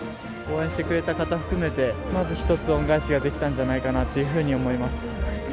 応援してくれた方含めて、まず一つ、恩返しができたんじゃないかなというふうに思います。